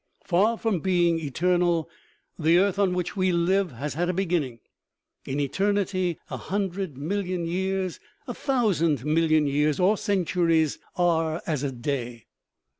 Far from being eternal, the earth on which we live has had a beginning. In eternity a hundred million years, a thousand million years or centuries, are as a day.